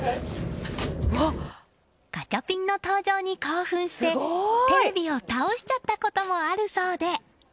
ガチャピンの登場に興奮してテレビを倒しちゃったこともあるそうで。